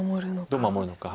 どう守るのか。